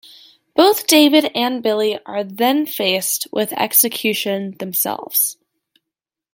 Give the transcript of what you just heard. Both David and Billy are then faced with execution themselves.